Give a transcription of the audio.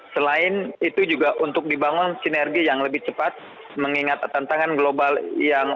selain itu juga untuk dibangun sinergi yang lebih cepat mengingat tantangan global yang